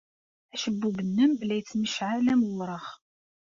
Acebbub-nnem la yettmecɛal am wureɣ.